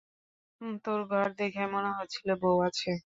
তোর ঘর দেখে মনে হচ্ছিল বৌ আছে।